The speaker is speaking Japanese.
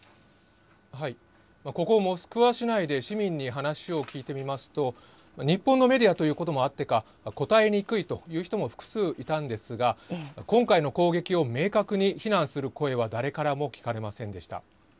ここ、モスクワ市内で市民に話を聞いてみますと、日本のメディアということもあってか、答えにくいという人も複数いたんですが、今回の攻撃を明確に非難する声は誰からも聞かれませんでした。